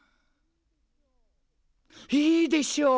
いいでしょう！